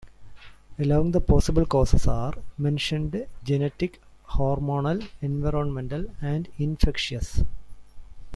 Among the possible causes are mentioned genetic, hormonal, environmental and infectious.